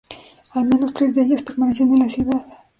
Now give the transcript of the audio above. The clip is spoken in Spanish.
Al menos tres de ellas permanecían en la ciudad.